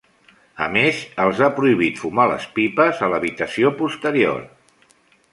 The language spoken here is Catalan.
A més, els ha prohibit fumar les pipes a l'habitació posterior.